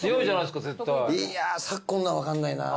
いや昨今のは分かんないな。